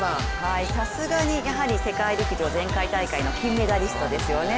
さすがに世界陸上前回大会の金メダリストですね